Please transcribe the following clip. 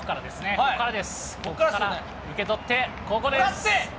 ここからです、ここから受け取って、ここです。